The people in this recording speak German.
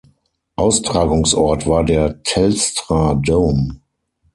Austragungsort war der Telstra Dome.